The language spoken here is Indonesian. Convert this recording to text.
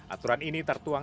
aturan ini tertuang